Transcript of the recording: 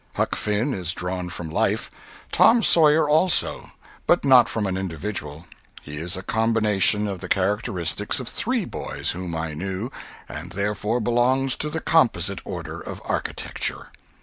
Huck Finn is drawn from life; Tom Sawyer also, but not from an individual—he is a combination of the characteristics of three boys whom I knew, and therefore belongs to the composite order of architecture.